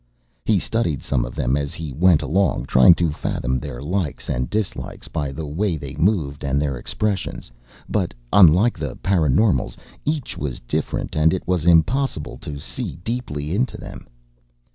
He studied some of them as he went along, trying to fathom their likes and dislikes by the way they moved and their expressions. But, unlike the paraNormals, each was different and it was impossible to see deeply into them.